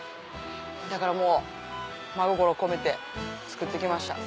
だからもう真心込めて作ってきました。